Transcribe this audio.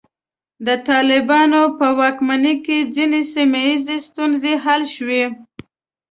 د طالبانو په واکمنۍ کې ځینې سیمه ییزې ستونزې حل شوې.